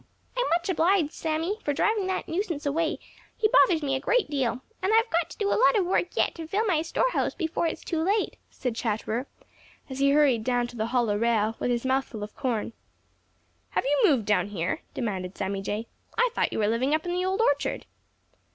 "I'm much obliged, Sammy, for driving that nuisance away; he bothers me a great deal, and I've got to do a lot of work yet to fill my store house before it is too late," said Chatterer, as he hurried to the hollow rail with his mouth full of corn. "Have you moved down here?" demanded Sammy Jay. "I thought you were living up in the Old Orchard."